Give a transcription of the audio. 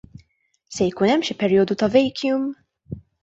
Se jkun hemm xi perjodu ta' vacuum?